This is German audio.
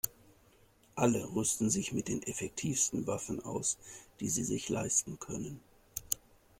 Alle rüsten sich mit den effektivsten Waffen aus, die sie sich leisten können.